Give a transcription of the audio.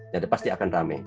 jadi pasti akan rame